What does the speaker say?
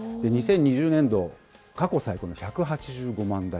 ２０２０年度、過去最高の１８５万台。